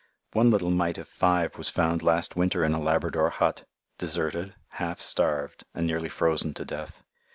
One little mite of five was found last winter in a Labrador hut, deserted, half starved, and nearly frozen to death.